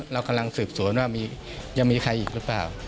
เรากำลังสืบสวนว่ายังมีใครอีกหรือเปล่า